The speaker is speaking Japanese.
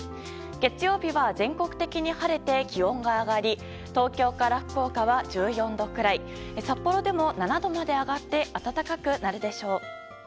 月曜日は全国的に晴れて気温が上がり東京から福岡は１４度くらい札幌でも７度まで上がって暖かくなるでしょう。